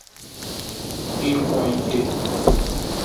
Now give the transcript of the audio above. ịkwọ ihe